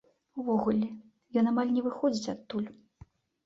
Увогуле, ён амаль не выходзіць адтуль.